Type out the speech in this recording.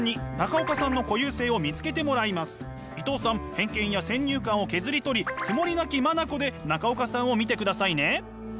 偏見や先入観を削り取り曇りなき眼で中岡さんを見てくださいね。